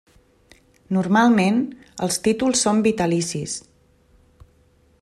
Normalment, els títols són vitalicis.